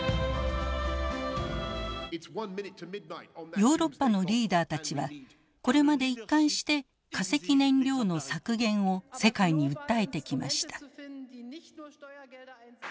ヨーロッパのリーダーたちはこれまで一貫して化石燃料の削減を世界に訴えてきました。